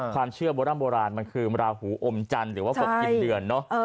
ความเชื่อโบร่ำโบราณมันคือราหูอมจันทร์หรือว่ากบกินเดือนเนอะ